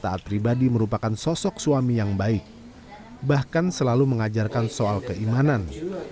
taat pribadi merupakan sosok suami yang baik bahkan selalu mengajarkan soal keimanan